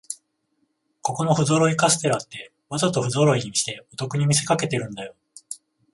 ここのふぞろいカステラって、わざとふぞろいにしてお得に見せかけてるんだよ